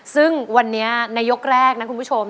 ซึ่งวันนี้ในยกแรกนะคุณผู้ชม